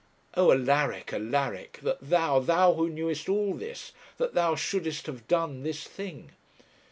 Oh! Alaric, Alaric, that thou, thou who knewest all this, that thou shouldest have done this thing!